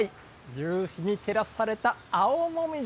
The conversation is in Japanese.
夕日に照らされた、青もみじ。